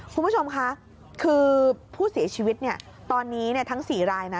คุณผู้ชมคะคือผู้เสียชีวิตเนี่ยตอนนี้ทั้ง๔รายนะ